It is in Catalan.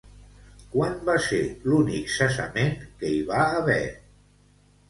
Quan va ser l'únic cessament que hi va haver?